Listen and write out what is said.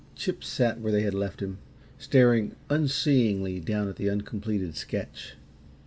Chip sat where they had left him, staring unseeingly down at the uncompleted sketch.